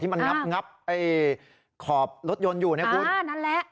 มันงับไอ้ขอบรถยนต์อยู่เนี่ยคุณอันนั้นแหละ